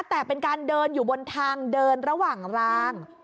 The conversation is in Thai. แต่เป็นการเดินอยู่บนทางเดินระหว่างราง